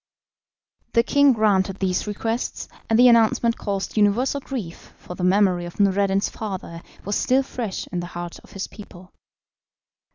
The king granted these requests, and the announcement caused universal grief, for the memory of Noureddin's father was still fresh in the hearts of his people.